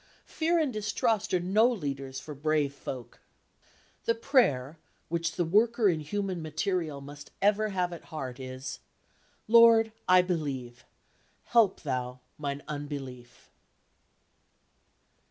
Fear and distrust are no leaders for brave folk. The prayer which the worker in human material must ever have at heart is, "Lord, I believe; help Thou mine unbelief."